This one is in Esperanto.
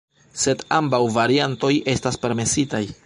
Sed ambaŭ variantoj estas permesitaj.